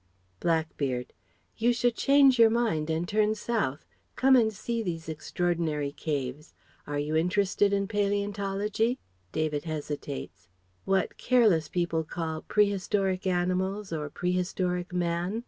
Blackbeard: "You should change your mind and turn south come and see these extraordinary caves. Are you interested in palæontology?" (David hesitates) "What careless people call 'prehistoric animals' or 'prehistoric man.'